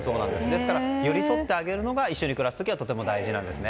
ですから寄り添ってあげるのが一緒に暮らす時は大事です。